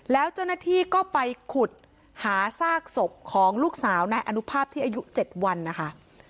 แล้วเจ้าหน้าที่ก็ไปขุดหาซากศพของลูกสาวนายอนุภาพที่อายุ๗วันนะคะ